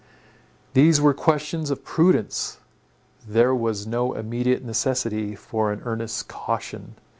These were questions of prudence; there was no immediate necessity for an earnest caution.